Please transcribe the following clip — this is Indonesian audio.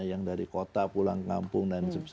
yang dari kota pulang kampung dan sebagainya